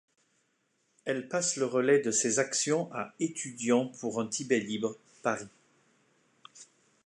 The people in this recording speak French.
Elle passe le relai de ses actions à Étudiants pour un Tibet libre, Paris.